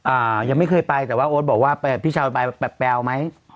อ่ายังไม่เคยไปแต่ว่าโอ๊ตบอกว่าพี่เช้าไปแปลวไหม